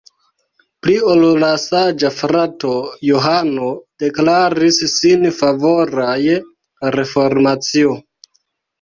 Pli ol la saĝa frato Johano deklaris sin favora je Reformacio.